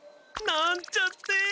なんちゃって。